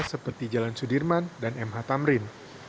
seperti jalan sudirman dan mh tamrin